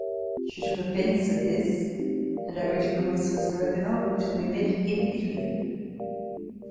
She took offence at this ; and our intercourse was broken off till we met in Italy.